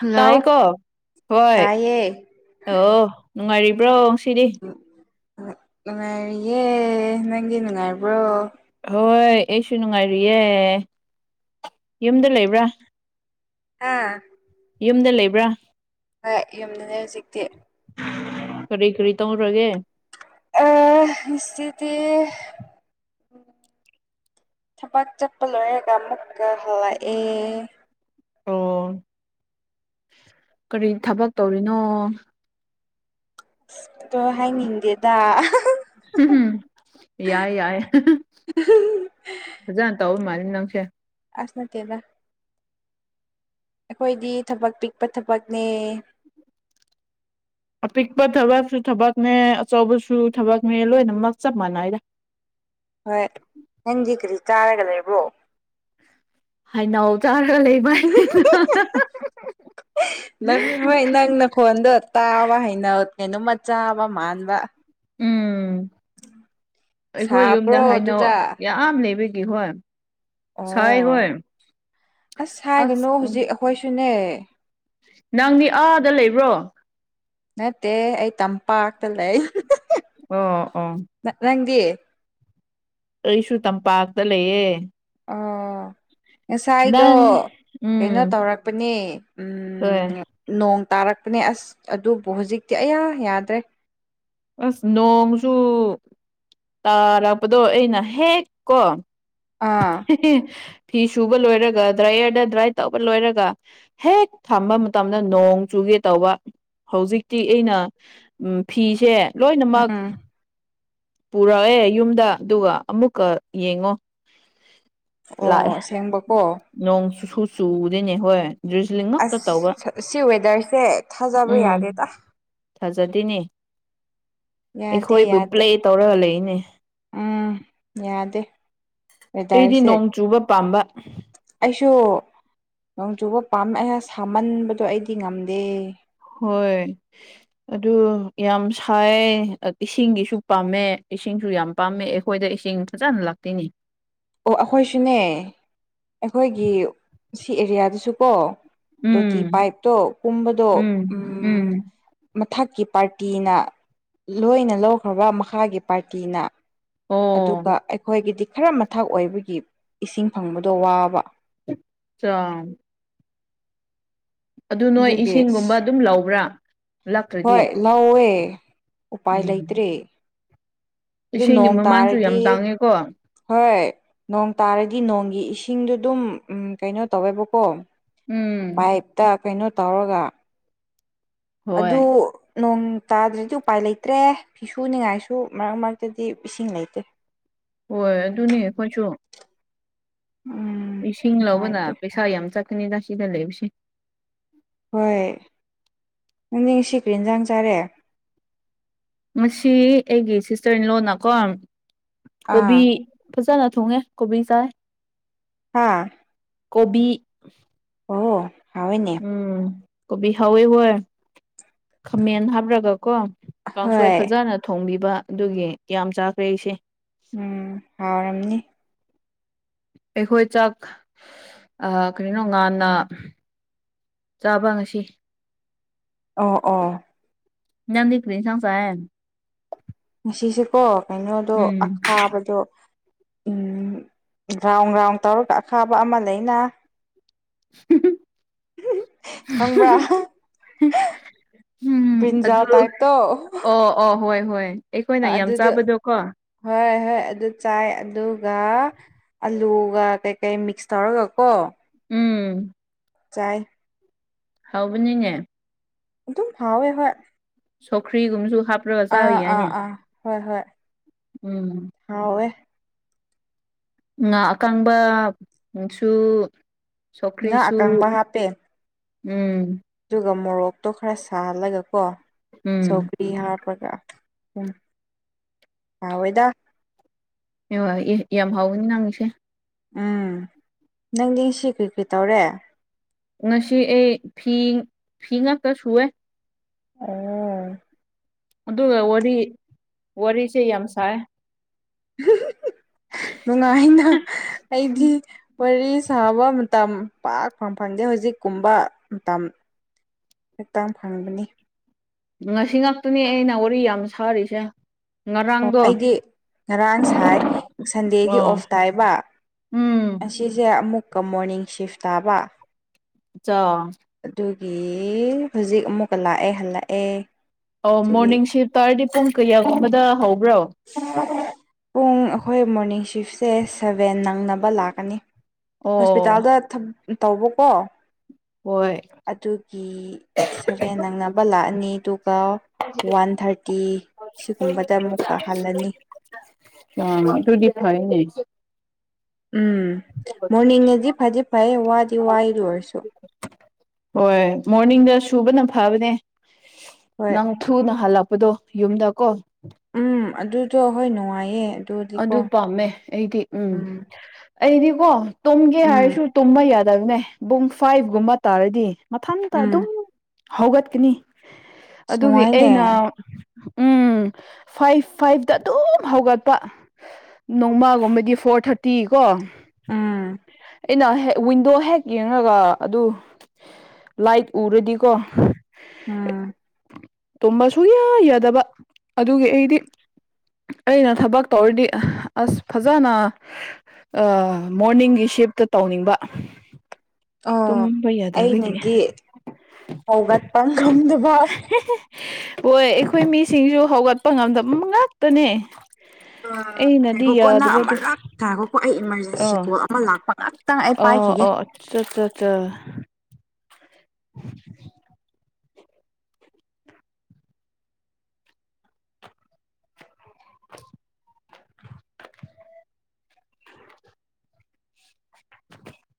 hello ꯇꯥꯏꯀꯣ ꯍꯣꯏ ꯇꯥꯏꯌꯦ ꯑꯣ ꯅꯨꯡꯉꯥꯏꯔꯤꯕ꯭ꯔꯣ ꯉ ꯁꯤꯗꯤ ꯅꯨꯡꯉꯥꯏꯔꯤꯌꯦ ꯅꯪꯒꯤ ꯅꯨꯡꯉꯥꯏꯕ꯭ꯔꯣ ꯍꯣꯏ ꯑꯩꯁꯨ ꯅꯨꯡꯉꯥꯏꯔꯤꯨꯌꯦꯦ ꯌꯨꯝꯗ ꯂꯩꯕ꯭ꯔꯥ ꯑꯥ ꯌꯨꯝꯗ ꯂꯩꯕ꯭ꯔꯥ ꯍꯣꯏ ꯌꯨꯝꯗꯅꯦ ꯍꯧꯖꯤꯛꯇꯤ ꯀꯔꯤ ꯀꯔꯤ ꯇꯧꯔꯒꯦ ꯑ ꯏꯁꯇ ꯊꯕꯛ ꯆꯠꯄ ꯂꯣꯏꯔꯒ ꯑꯃꯨꯛꯀ ꯍꯜꯂꯛꯑꯦ ꯑꯣ ꯀꯔꯤ ꯊꯕꯛ ꯇꯧꯔꯤꯅꯣ ꯑꯣ ꯍꯥꯏꯅꯤꯡꯗꯦꯗ ꯎꯝ ꯌꯥꯏ ꯌꯥꯏ ꯐꯖꯅ ꯇꯧꯔꯤ ꯃꯥꯜꯜꯂꯤ ꯅꯪꯁꯦ ꯑꯁꯅꯠꯇꯦꯕ ꯑꯩꯈꯣꯏꯗꯤ ꯊꯕꯛ ꯄꯤꯛꯄ ꯊꯕꯛꯅꯦ ꯑꯄꯤꯛꯄ ꯊꯕꯛꯁꯨ ꯊꯕꯛꯅꯦ ꯑꯆꯧꯕꯁꯨ ꯊꯕꯛꯅꯦ ꯂꯣꯏꯅꯃꯛ ꯆꯞ ꯃꯥꯟꯅꯩꯗꯦ ꯍꯣꯏ ꯅꯪꯗꯤ ꯀꯔꯤ ꯆꯥꯔꯒ ꯂꯩꯕ꯭ꯔꯣ ꯍꯥꯏꯅꯧ ꯆꯥꯔꯒ ꯂꯩ ꯅꯪ ꯍꯣꯏ ꯅꯪꯅ ꯈꯣꯟꯗꯣ ꯇꯥꯕ ꯍꯥꯏꯩꯅ ꯀꯩꯅꯣꯃꯆꯥꯥꯕ ꯃꯥꯟꯕ ꯎꯝ ꯑꯩꯈꯣꯏ ꯌꯨꯝꯗ ꯁꯥꯕ꯭ꯔꯣ ꯍꯥꯏꯅꯧ ꯑꯗꯨꯗ ꯌꯥꯝ ꯑꯥꯝ ꯂꯩꯕꯒꯤꯦ ꯍꯣꯏ ꯁꯥꯏ ꯑꯣ ꯍꯣꯏ ꯑꯁ ꯎ ꯀꯣꯏꯁꯨꯅꯦ ꯅꯪꯗꯤ ꯑꯥꯗ ꯂꯩꯕ꯭ꯔꯣ ꯅꯠꯇꯦ ꯑꯩ ꯇꯝꯄꯥꯛꯇ ꯂꯩ ꯑꯣ ꯑꯣ ꯅꯪꯒꯤ ꯑꯩꯁꯨ ꯇꯝꯄꯥꯛꯇ ꯂꯩꯌꯦ ꯑ ꯉꯁꯥꯏꯗꯣ ꯅꯪ ꯎꯝ ꯀꯩꯅꯣ ꯇꯧꯔꯛꯄꯅꯦ ꯍꯣꯏ ꯎꯝ ꯅꯣꯡ ꯇꯥꯔꯛꯄꯅꯦ ꯑꯁ ꯑꯗꯨꯕꯨ ꯍꯧꯖꯤꯛꯇꯤ ꯑꯌꯥ ꯌꯥꯗ꯭ꯔꯦ ꯑꯁ ꯅꯣꯡꯖ ꯇꯥꯔꯛꯄꯗꯣ ꯑꯩꯅ ꯍꯦꯛ ꯀꯣ ꯑꯥ ꯐꯤ ꯁꯨꯕ ꯂꯣꯏꯔꯒ ꯗ꯭ꯔꯥꯏꯌꯔꯗ ꯗ꯭ꯔꯥꯏ ꯇꯧꯕ ꯂꯣꯏꯔꯒ ꯍꯦꯛ ꯊꯝꯕ ꯃꯇꯝꯗ ꯅꯣꯡ ꯆꯨꯒꯦ ꯇꯧꯕ ꯍꯧꯖꯤꯛꯇꯤ ꯑꯩꯅ ꯐꯤꯁꯦ ꯂꯣꯏꯅꯃꯛ ꯎꯝ ꯄꯨꯔꯛꯑꯦ ꯌꯨꯝꯗ ꯑꯗꯨꯒ ꯑꯃꯨꯛꯀ ꯌꯦꯡꯉꯣ ꯑꯣ ꯑꯁꯦꯡꯕꯀꯣ ꯅꯣꯡꯨ ꯁꯨ ꯆꯨꯗꯣꯏꯅꯦ ꯍꯣꯏ ꯗ꯭ꯔꯤꯖꯂꯤꯡ ꯉꯛꯇ ꯇꯧꯕ ꯑꯁ ꯁꯤ ꯋꯦꯗꯔꯁꯦ ꯊꯥꯖꯕ ꯌꯥꯗꯦꯗ ꯊꯥꯖꯗꯅꯦ ꯌꯥꯗꯦ ꯑꯩꯈꯣꯏꯕꯨ ꯌꯥꯗꯦ ꯄ꯭ꯂꯦ ꯇꯧꯔꯒ ꯂꯩꯏꯅꯦ ꯎꯝ ꯌꯥꯗꯦ ꯑꯩꯗꯤ ꯋꯦꯗꯔꯁꯦ ꯅꯣꯡ ꯆꯨꯕ ꯄꯥꯝꯕ ꯑꯩꯁꯨ ꯅꯣꯡꯖꯨꯕ ꯄꯥꯝꯃꯦ ꯑꯩꯅ ꯁꯥꯃꯟꯕꯗꯣ ꯑꯩꯗꯤ ꯉꯝꯗꯦ ꯍꯣꯏ ꯑꯗꯨ ꯌꯥꯝ ꯁꯥꯏ ꯏꯁꯤꯡꯒꯤꯁꯨ ꯄꯥꯝꯃꯦ ꯏꯁꯤꯡꯁꯨ ꯌꯥꯝ ꯄꯥꯝꯃꯦ ꯑꯩꯈꯣꯏꯗ ꯏꯁꯤꯡ ꯐꯖꯅ ꯂꯥꯛꯇꯣꯏꯅꯦ ꯑꯣ ꯑꯩꯈꯣꯏꯁꯨꯅꯦ ꯑꯩꯈꯣꯏꯒꯤ ꯁꯤ ꯑꯦꯔꯤꯌꯥꯗꯨꯁꯨꯀꯣ ꯇꯣꯇꯤ ꯎꯝ ꯄꯥꯏꯞꯇꯣ ꯀꯨꯝꯕꯗꯣ ꯎꯝ ꯃꯊꯛꯀꯤ ꯄꯥꯔꯇꯤꯅ ꯂꯣꯏꯅ ꯂꯧꯈ꯭ꯔꯕ ꯃꯈꯥꯒꯤ ꯄꯥꯔꯇꯤꯅ ꯑꯣ ꯑꯗꯨꯒ ꯑꯩꯈꯣꯏꯒꯤꯗꯤ ꯈꯔ ꯃꯊꯛ ꯑꯣꯏꯕꯒꯤ ꯏꯁꯤꯡ ꯐꯪꯕꯗꯣ ꯋꯥꯕ ꯆ ꯑꯗꯨ ꯅꯣꯏ ꯑꯗꯨꯒꯤ ꯏꯁꯤꯡꯒꯨꯝꯕ ꯑꯗꯨꯝ ꯂꯧꯕ꯭ꯔꯥ ꯂꯥꯛꯇ꯭ꯔꯗꯤ ꯍꯣꯏ ꯂꯧꯋꯦ ꯎꯄꯥꯏ ꯎꯝ ꯂꯩꯇ꯭ꯔꯦ ꯑꯗꯨ ꯏꯁꯤꯡꯒꯤ ꯅꯣꯡ ꯃꯃꯜꯁꯨ ꯌꯥꯝ ꯇꯥꯔꯗꯤ ꯇꯥꯡꯉꯦꯀꯣ ꯍꯣꯏ ꯅꯣꯡ ꯇꯥꯔꯗꯤ ꯅꯣꯡꯒꯤ ꯏꯁꯤꯡꯗꯣ ꯑꯗꯨꯝ ꯀꯩꯅꯣ ꯇꯧꯋꯦꯕꯀꯣ ꯎꯝ ꯄꯥꯏꯞꯇ ꯀꯩꯅꯣ ꯇꯧꯔꯒ ꯑꯗꯨ ꯍꯣꯏ ꯅꯣꯡ ꯇꯥꯗ꯭ꯔꯗꯤ ꯎꯄꯥꯏ ꯂꯩꯇ꯭ꯔꯦ ꯐꯤꯁꯨ ꯅꯤꯡꯉꯥꯏꯁꯨ ꯃꯔꯛ ꯃꯔꯛꯇꯗꯤ ꯏꯁꯤꯡ ꯂꯩꯇꯦ ꯍꯣꯏ ꯑꯗꯨꯅꯦ ꯑꯩꯈꯣꯏꯁꯨ ꯎꯝ ꯏꯁꯤꯡ ꯂꯧꯕꯅ ꯅꯨꯡꯉꯥꯏꯇꯦ ꯄꯩꯁꯥ ꯌꯥꯝ ꯆꯠꯀꯅꯤꯗ ꯁꯤꯗ ꯂꯩꯕꯁꯦ ꯍꯣꯏ ꯅꯪꯗꯤꯡ ꯁꯤꯀꯔꯤ ꯏꯟꯖꯥꯡ ꯆꯥꯔꯦ ꯃꯁꯤ ꯑꯩꯒꯤ ꯁꯤꯁꯇꯔ ꯏ ꯂꯣꯟꯅꯀꯣ ꯑꯥ ꯀꯣꯕꯤ ꯐꯖꯅ ꯊꯣꯡꯉꯦ ꯀꯣꯕꯤ ꯆꯥꯏ ꯍꯥꯥ ꯀꯣꯕꯤ ꯑꯣ ꯍꯅꯦ ꯎꯝ ꯀꯣꯕꯤ ꯍꯋꯦ ꯍꯣꯏ ꯈꯥꯃꯦꯟ ꯍꯥꯞꯔꯒ ꯀꯣ ꯀꯥꯡꯁꯣꯏ ꯍꯣꯏ ꯐꯖꯅ ꯊꯣꯡꯕꯤꯕ ꯑꯗꯨꯒꯤ ꯀ ꯆꯥꯈ꯭ꯔꯦ ꯑꯩꯁꯦ ꯎꯝ ꯍꯥꯎꯔꯝꯅꯤ ꯑꯩꯈꯣꯏ ꯆꯥꯛ ꯀꯔꯤꯅꯣ ꯉꯥꯟꯟꯅ ꯆꯥꯕ ꯉꯁꯤ ꯑꯣ ꯑꯣ ꯅꯗꯤ ꯀꯔꯤ ꯁꯥꯡꯪꯁꯥꯏꯦ ꯉꯁꯤꯁꯦꯀꯣ ꯀꯩꯅꯣꯗꯣ ꯎꯝ ꯑꯈꯥꯕꯗꯣ ꯒ꯭ꯔꯥꯎꯟ ꯒ꯭ꯔꯥꯎꯟ ꯇꯧꯔꯒ ꯑꯈꯥꯕ ꯑꯃ ꯂꯩꯅ ꯈꯪꯕ꯭ꯔꯥ [unintelligible] ꯎꯝ ꯟꯖꯜ ꯑꯗꯨ ꯇꯥꯏꯞꯇꯣ ꯑꯣ ꯑꯣ ꯍꯣꯏ ꯍꯣꯏ ꯑꯩꯈꯣꯏꯅ ꯌꯥꯝ ꯑꯗꯨꯗ ꯆꯥꯕꯗꯣ ꯀꯣ ꯍꯣꯏ ꯍꯣꯏ ꯑꯗꯨ ꯆꯥꯏ ꯑꯗꯨꯒ ꯑꯂꯨꯒ ꯀꯩꯀꯩ ꯃꯤꯛꯁ ꯇꯧꯔꯒ ꯀꯣ ꯎꯝ ꯆꯥꯏ ꯍꯧꯕꯅꯤꯅꯦ ꯑꯗꯨ ꯑꯗꯨꯝ ꯍꯥꯎꯋꯦ ꯍꯣꯏ ꯁꯣꯈ꯭ꯔꯤꯒꯨꯝꯁꯨ ꯍꯥꯞꯄ ꯑꯥ ꯑꯥ ꯑꯥ ꯍꯣꯏ ꯍꯣꯏ ꯎꯝ ꯍꯋꯦ ꯉꯥ ꯑꯀꯥꯡꯕꯁꯨ ꯉꯥ ꯁꯣꯀ꯭ꯔꯤꯁꯨ ꯑꯀꯪꯕ ꯍꯥꯞꯄꯦ ꯎꯝ ꯑꯗꯨꯒ ꯃꯣꯔꯣꯛꯇꯣ ꯈꯔ ꯁꯥꯍꯜꯂꯒ ꯀꯣ ꯁꯧ ꯎꯝ ꯐꯤ ꯍꯥꯞꯄꯒ ꯎꯝ ꯌꯥꯑꯣꯗ ꯑꯦ ꯌꯥꯝ ꯍꯥꯎꯋꯅꯤ ꯅꯪ ꯏꯁꯦ ꯎꯝ ꯅꯪꯗꯤ ꯁꯤ ꯀꯔꯤ ꯀꯔꯤ ꯇꯧꯔꯦ ꯉꯁꯤ ꯑꯩ ꯐꯤ ꯐꯤ ꯉꯥꯛꯇ ꯁꯨꯑꯦ ꯑꯣ ꯑꯗꯨꯒ ꯋꯥꯔꯤꯁꯦ ꯌꯥꯝ ꯁꯥꯏ ꯅꯨꯡꯉꯥꯏꯅ ꯑꯩꯗꯤ ꯋꯥꯔꯤ ꯁꯥꯕ ꯃꯇꯝ ꯄꯥꯛꯄꯪ ꯐꯪꯗꯦ ꯍꯧꯖꯤꯛꯀꯨꯝꯕ ꯃꯇꯝ ꯍꯛꯇꯥꯡ ꯐꯪꯒꯅꯤ ꯉꯁꯤ ꯉꯥꯛꯇꯅꯦ ꯑꯩꯅ ꯋꯥꯔꯤ ꯌꯥꯝ ꯁꯥꯔꯤꯁꯦ ꯑꯣ ꯉꯔꯥꯡꯗꯣ ꯑꯩꯗꯤ ꯉꯔꯥꯡ ꯁꯥꯏ ꯁꯟꯗꯦꯗꯤ ꯑꯣ ꯑꯣꯐ ꯇꯥꯏꯕ ꯎꯝ ꯑꯁꯤ ꯁꯤꯁꯦ ꯑꯃꯨꯛꯀ ꯃꯣꯔꯅꯤꯡ ꯁꯤꯐ ꯇꯥꯕ ꯆꯥ ꯑꯗꯨꯒꯤ ꯍꯧꯖꯤꯛ ꯑꯃꯨꯛꯀ ꯂꯥꯛꯑꯦ ꯍꯜꯂꯛꯑꯦ ꯑꯣ ꯑꯗꯨꯒꯤ ꯃꯣꯔꯅꯤꯡ ꯁꯤꯐ ꯇꯥꯔꯗꯤ ꯄꯨꯡ ꯀꯌꯥꯒꯨꯝꯕꯗ ꯍꯧꯕ꯭ꯔꯣ ꯄꯨꯡ ꯑꯩꯈꯣꯏ ꯃꯣꯔꯅꯤꯡ ꯁꯤꯐꯁꯦ ꯁꯕꯦꯟ ꯅꯪꯅꯕ ꯂꯥꯛꯀꯅꯤ ꯑꯣ ꯍꯣꯁꯄꯤꯇꯥꯜꯗ ꯇꯧꯕꯀꯣ ꯍ ꯑꯗꯨꯒꯤ ꯁꯚꯦꯟ ꯅꯪꯅꯕ ꯂꯥꯛꯑꯅꯤ ꯑꯗꯨꯒ ꯋꯥꯟ ꯋꯥꯟ ꯊꯥꯔꯇꯤ ꯁꯤꯒꯨꯝꯕꯗ ꯑꯃꯨꯛꯀ ꯍꯜꯂꯅꯤ ꯑ ꯇꯨꯗꯤ ꯍꯥꯏꯅꯦ ꯎꯝ ꯃꯣꯔꯅꯤꯡꯅꯗꯤ ꯐꯗꯤ ꯐꯩ ꯋꯥꯗꯤ ꯋꯥꯏꯔ ꯑꯣꯏꯔꯁꯨ ꯍꯣꯏ ꯃꯣꯔꯅꯤꯡꯗ ꯁꯨꯕꯅ ꯐꯕꯅꯦ ꯍꯣꯏ ꯅꯪ ꯊꯨꯅ ꯍꯜꯂꯛꯄꯗꯣ ꯌꯨꯝꯗ ꯀꯣ ꯎꯝ ꯑꯗꯨꯗꯣ ꯍꯣꯏ ꯅꯨꯡꯉꯥꯏꯌꯦ ꯑꯗꯨꯗꯤꯀꯣ ꯑꯗꯨ ꯄꯥꯝꯃꯦ ꯑꯩꯗꯤ ꯎꯝ ꯑꯩꯗꯤꯀꯣ ꯇꯨꯝꯒꯦ ꯎꯝ ꯍꯥꯏꯔꯁꯨ ꯇꯨꯝꯕ ꯌꯥꯗꯕꯅꯦ ꯕꯨꯡ ꯐꯥꯏꯚꯒꯨꯝꯕ ꯇꯥꯔꯗꯤ ꯃꯊꯟꯇ ꯎꯝ ꯑꯗꯨꯝ ꯍꯧꯒꯠꯀꯅꯤ ꯑꯁ ꯑꯗꯨꯒꯤ ꯅꯨꯡꯉꯥꯏꯅꯦ ꯑꯩꯅ ꯎꯝ ꯐꯥꯏꯚ ꯐꯥꯏꯚꯇ ꯑꯗꯨꯝ ꯍꯧꯒꯠꯄ ꯅꯣꯡꯃꯒꯨꯝꯕꯗꯤ ꯐꯣꯔ ꯊꯥꯔꯇꯤ ꯀꯣ ꯎꯝ ꯑꯩꯅ ꯍꯦꯛ ꯋꯤꯟꯗꯣ ꯍꯦꯛ ꯌꯦꯡꯉꯒ ꯑꯗꯨ ꯂꯥꯏꯠ ꯎꯔꯗꯤꯀꯣ ꯎꯝ ꯇꯨꯝꯝꯕ ꯁꯨꯛꯌꯥ ꯌꯥꯗꯕ ꯑꯗꯨꯒꯤ ꯑꯩꯗꯤ ꯑꯩꯅ ꯊꯕꯛ ꯇꯧꯔꯗꯤ ꯑꯁ ꯐꯖꯅ ꯃꯣꯔꯅꯤꯡꯒꯤ ꯁꯤꯞꯇ ꯇꯧꯅꯤꯡꯕ ꯑꯣ ꯇꯨꯝꯕ ꯌꯥꯗꯕꯒꯤ ꯑꯩꯅꯗꯤ ꯍꯧꯒꯠꯄ ꯉꯝꯗꯕ ꯍꯣꯏ ꯑꯩꯈꯣꯏ ꯃꯤꯁꯤꯡꯁꯨ ꯍꯧꯒꯠꯄ ꯉꯝꯗꯕ ꯉꯥꯛꯇꯅꯦ ꯑ ꯑꯩꯅꯗꯤ ꯌꯥꯦꯈꯣꯀꯣ ꯅꯪ ꯌꯥꯗꯕꯗꯨ ꯑꯃꯔꯥꯛ ꯇꯥꯔꯦꯈꯣꯀꯣ ꯑꯩ ꯏꯃꯥꯔꯖꯦꯟꯁꯤ ꯑꯥ ꯀꯣꯜ ꯑꯃ ꯂꯥꯛꯄ ꯉꯍꯥꯛꯇꯪ ꯑꯩ ꯄꯥꯏꯈꯤꯒꯦ ꯆꯠ ꯆ ꯆ [unintelligible]